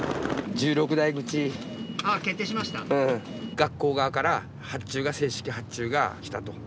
学校側から正式発注が来たと。